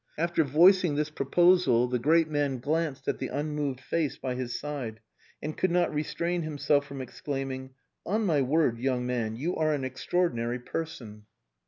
After voicing this proposal, the great man glanced at the unmoved face by his side, and could not restrain himself from exclaiming "On my word, young man, you are an extraordinary person."